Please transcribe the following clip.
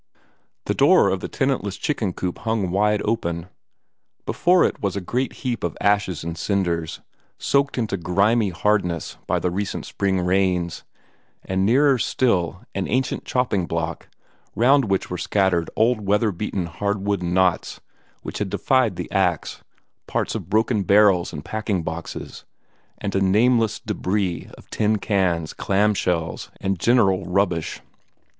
The door of the tenantless chicken coop hung wide open. Before it was a great heap of ashes and cinders, soaked into grimy hardness by the recent spring rains, and nearer still an ancient chopping block, round which were scattered old weather beaten hardwood knots which had defied the axe, parts of broken barrels and packing boxes, and a nameless debris of tin cans, clam shells, and general rubbish.